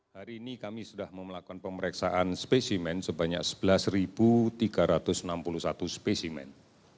hari ini kami sudah memelakukan pemeriksaan spesimen sebanyak sebelas tiga ratus enam puluh satu spesimen